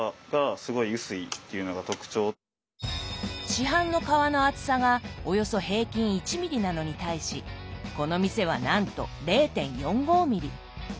市販の皮の厚さがおよそ平均１ｍｍなのに対しこの店はなんと０．４５ｍｍ。